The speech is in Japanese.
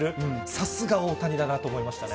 さすが大谷だなと思いましたね。